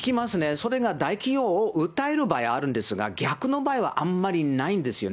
それが大企業を訴える場合あるんですが、逆の場合はあんまりないんですよね。